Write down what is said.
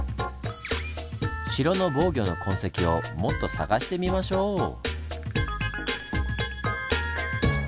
城の防御の痕跡をもっと探してみましょう！